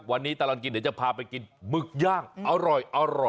วันนี้ตลอดกินเดี๋ยวจะพาไปกินหมึกย่างอร่อย